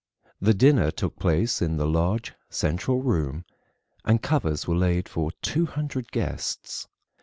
The dinner took place in the large central room, and covers were laid for 200 guests.